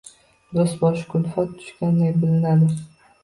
Do’st boshga kulfat tushganda bilinadi.